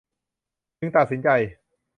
จึงตัดสินใจ